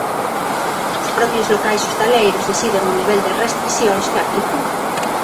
Os propios locais hostaleiros deciden o nivel de restricións que aplican.